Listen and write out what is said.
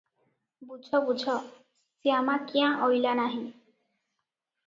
ବୁଝ ବୁଝ ଶାମା କ୍ୟାଁ ଅଇଲା ନାହିଁ ।